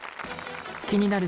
気になる